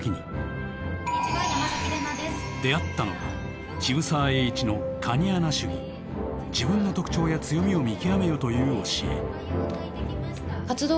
出会ったのが渋沢栄一の自分の特徴や強みを見極めよという教え。